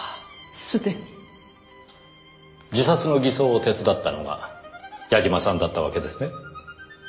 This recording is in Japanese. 自殺の偽装を手伝ったのが矢嶋さんだったわけですね。